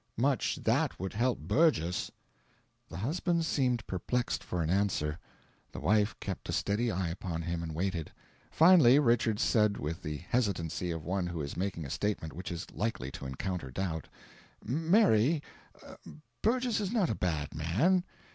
"Much THAT would help Burgess!" The husband seemed perplexed for an answer; the wife kept a steady eye upon him, and waited. Finally Richards said, with the hesitancy of one who is making a statement which is likely to encounter doubt, "Mary, Burgess is not a bad man."